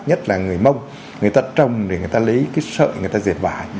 nhất là người mông người ta trồng để người ta lấy cái sợi người ta diệt vải